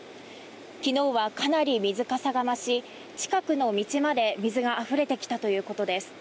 昨日はかなり水かさが増し近くの道まで水があふれてきたということです。